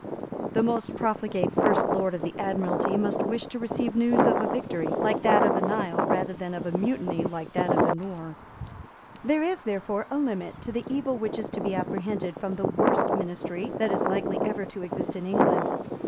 The most profligate First Lord of the Admiralty must wish to receive news of a victory like that of the Nile rather than of a mutiny like that at the Nore. There is, therefore, a limit to the evil which is to be apprehended from the worst ministry that is likely ever to exist in England.